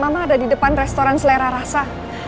memang ada di depan restoran selera rasa